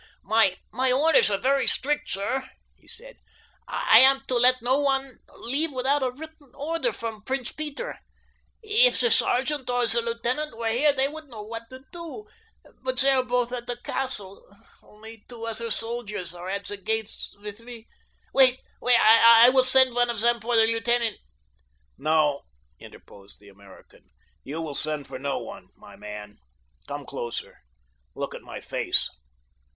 "My orders are very strict, sir," he said. "I am to let no one leave without a written order from Prince Peter. If the sergeant or the lieutenant were here they would know what to do; but they are both at the castle—only two other soldiers are at the gates with me. Wait, and I will send one of them for the lieutenant." "No," interposed the American. "You will send for no one, my man. Come closer—look at my face."